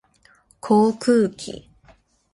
航空機